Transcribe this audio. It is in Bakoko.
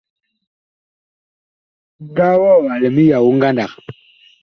Ŋgaa wɔɔ a lɛ miyao ngandag.